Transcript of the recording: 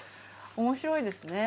面白いですね。